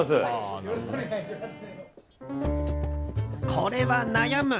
これは悩む。